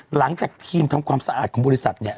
หลังจากทีมทำความสะอาดของบริษัทเนี่ย